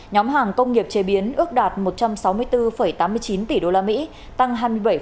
nhóm hàng công nghiệp chế biến ước đạt một trăm sáu mươi bốn tám mươi chín tỷ usd tăng hai mươi bảy